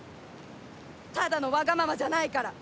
ただのわがままじゃないから。